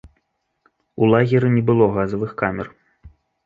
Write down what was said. У лагеры не было газавых камер.